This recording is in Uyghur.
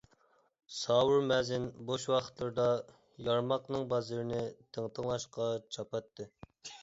ساۋۇر مەزىن بوش ۋاقىتلىرىدا يارماقنىڭ بازىرىنى تىڭتىڭلاشقا چاپاتتى.